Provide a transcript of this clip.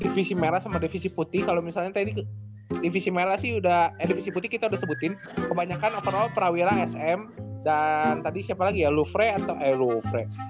divisi merah sama divisi putih kalau misalnya tadi divisi merah sih udah air divisi putih kita udah sebutin kebanyakan overall prawira sm dan tadi siapa lagi ya lofrey atau aero frex